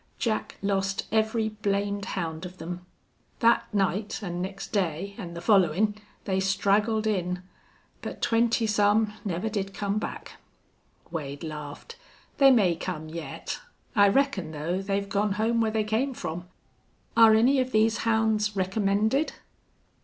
Jack lost every blamed hound of them. Thet night an' next day an' the followin' they straggled in. But twenty some never did come back." Wade laughed. "They may come yet. I reckon, though, they've gone home where they came from. Are any of these hounds recommended?"